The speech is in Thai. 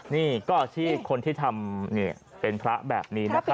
นี่ก็อาชีพคนที่ทำเป็นพระแบบนี้นะครับ